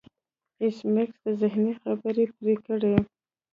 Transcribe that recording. ایس میکس د هغې خبرې پرې کړې